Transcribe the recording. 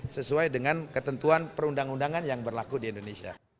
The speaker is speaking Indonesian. sesuai dengan ketentuan perundang undangan yang berlaku di indonesia